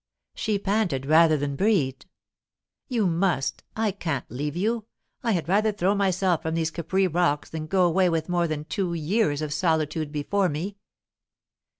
She panted rather than breathed. "You must! I can't leave you! I had rather throw myself from these Capri rocks than go away with more than two years of solitude before me."